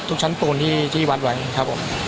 ชั้นปูนที่วัดไว้ครับผม